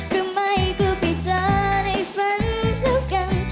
ก็ไม่ก็ไปเจอในฝันแล้วกัน